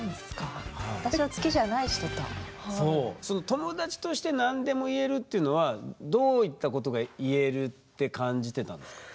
友達として何でも言えるっていうのはどういったことが言えるって感じてたんですか？